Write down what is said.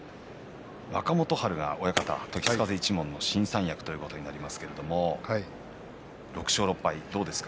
若元春が親方、時津風一門の新三役ということになりますが６勝６敗どうですか。